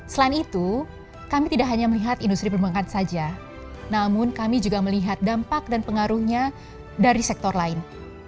selain itu kami tidak hanya melihat industri perbankan saja namun kami juga melihat dampak dan pengaruhnya dari sektor lain